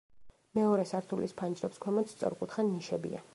მეორე სართულის ფანჯრებს ქვემოთ სწორკუთხა ნიშებია.